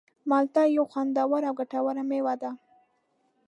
مالټه یوه خوندوره او ګټوره مېوه ده.